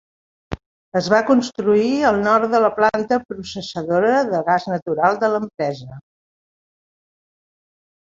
Es va construir al nord de la planta processadora de gas natural de l'empresa.